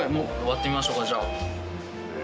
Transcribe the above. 割ってみましょうかじゃあ。